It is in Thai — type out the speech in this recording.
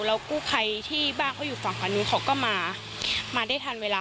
แล้วกู้ภัยที่บ้านเขาอยู่ฝั่งอันนู้นเขาก็มามาได้ทันเวลา